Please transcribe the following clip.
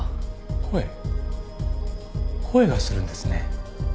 声声がするんですね。